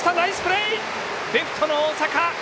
レフトの大坂！